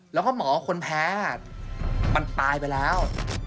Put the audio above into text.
แล้วก็หมอคนแพ้มันตายไปแล้ว